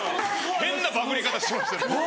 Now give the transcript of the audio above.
変なバグり方しましたよ。